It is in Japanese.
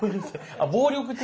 あ暴力的。